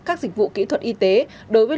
các dịch vụ kỹ thuật y tế đối với